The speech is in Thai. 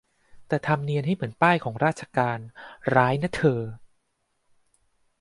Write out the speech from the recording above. แต่ทำเนียนให้เหมือนป้ายของราชการ ร้ายนะเธอ